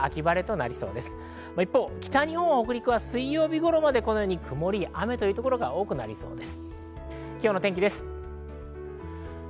一方、北日本は水曜日頃まで曇りや雨という所が多くなりそうです。